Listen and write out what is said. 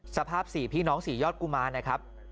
สภาพ๔พี่น้อง๔ยอดกุมารนะครับ